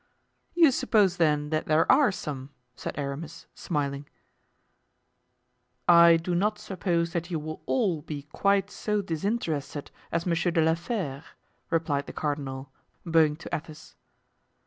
"You suppose, then, that there are some?" said Aramis, smiling. "I do not suppose that you will all be quite so disinterested as Monsieur de la Fere," replied the cardinal, bowing to Athos.